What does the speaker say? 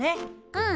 うん。